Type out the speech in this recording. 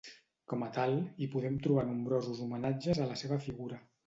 Com a tal, hi podem trobar nombrosos homenatges a la seva figura.